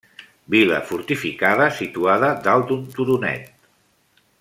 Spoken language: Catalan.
Vila fortificada situada dalt d'un turonet.